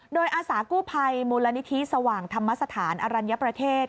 โดยอาสากู้ภัยมูลนิธิสว่างธรรมสถานอรัญญประเทศ